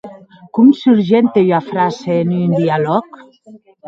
Com surgente ua frasa en un dialòg?